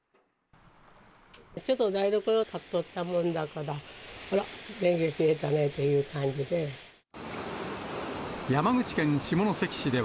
ちょっと台所たっとったもんだから、電源が切れたねっていう感じで。